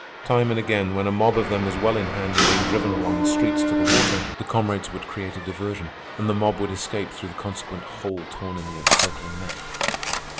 Time and again, when a mob of them was well in hand and being driven along the streets to the water, the comrades would create a diversion, and the mob would escape through the consequent hole torn in the encircling net.